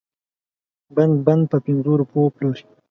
بند بند په پنځو روپو وپلوري.